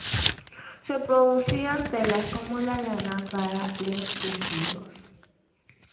Se producían telas, como la lana, para los vestidos.